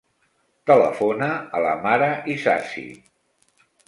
Telefona a la Mara Isasi.